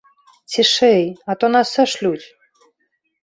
Цішэй, а то нас сашлюць!